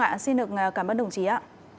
vâng ạ xin được cảm ơn đồng chí ạ